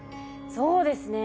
そうですね